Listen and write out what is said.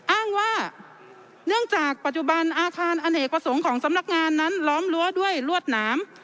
อ้างว่าเนื่องจากปัจจุบันอาคารอเนกประสงค์ของสำนักงานนั้นล้อมรั้วด้วยลวดหนาม